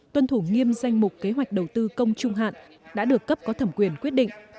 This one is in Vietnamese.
tuân thủ nghiêm danh mục kế hoạch đầu tư công trung hạn đã được cấp có thẩm quyền quyết định